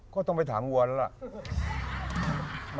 ก็ต้องไปถามวัวแล้วละ